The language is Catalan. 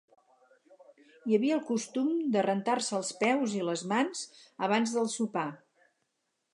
Hi havia el costum de rentar-se els peus i les mans abans del sopar.